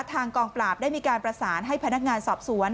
กองปราบได้มีการประสานให้พนักงานสอบสวน